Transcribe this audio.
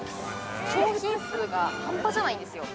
商品数がハンパじゃないんですよ。